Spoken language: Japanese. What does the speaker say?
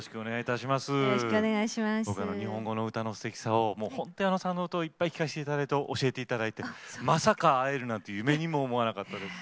僕ら日本語の歌のすてきさを本当、矢野さんの歌で聴かせていただいて教えていただいて、まさか会えるなんて、夢にも思わなかったです。